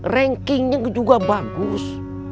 rankingnya juga bagus